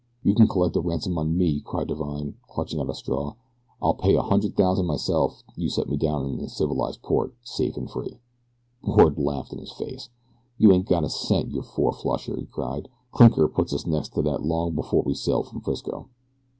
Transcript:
"You can collect ransom on me," cried Divine, clutching at a straw. "I'll pay a hundred thousand myself the day you set me down in a civilized port, safe and free." Ward laughed in his face. "You ain't got a cent, you four flusher," he cried. "Clinker put us next to that long before we sailed from Frisco."